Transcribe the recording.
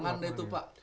ke lapangan deh itu pak